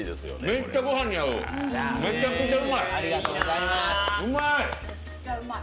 めっちゃご飯に合う、めちゃくちゃうまい！